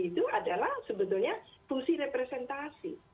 itu adalah sebetulnya fungsi representasi